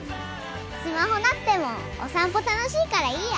スマホなくてもお散歩楽しいからいいや。